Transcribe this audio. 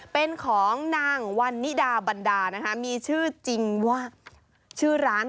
เป็นของนางวันนิดาบันดานะคะมีชื่อจริงว่า